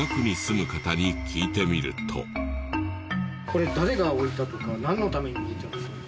これ誰が置いたとかなんのために置いてあるんですか？